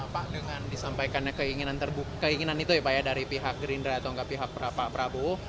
pak dengan disampaikan keinginan terbuka keinginan itu ya pak ya dari pihak girindra atau enggak pihak pak prabowo